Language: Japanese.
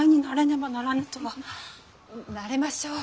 慣れましょう。